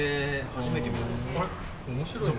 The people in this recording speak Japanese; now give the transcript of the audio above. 初めて見た。